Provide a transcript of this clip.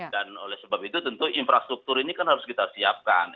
oleh sebab itu tentu infrastruktur ini kan harus kita siapkan